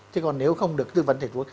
chứ còn nếu không được tư vấn thầy thuộc